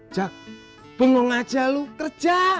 jak bungong aja lu kerja